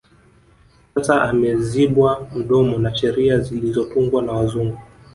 Sasa amezibwa mdomo na sheria zilizotungwa na wazungu